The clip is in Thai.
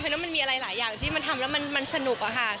เพราะมันมีอะไรหลายอย่างที่มันทำแล้วมันสนุกอะค่ะ